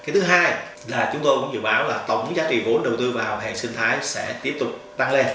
thứ hai là chúng tôi cũng dự báo là tổng giá trị vốn đầu tư vào hệ sinh thái sẽ tiếp tục tăng lên